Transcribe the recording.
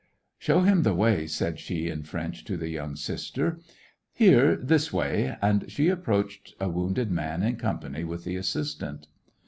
*'Show them the way," said she, in French, to the young sister. " Here, this way," and she approached a wounded man, in company with the assistant.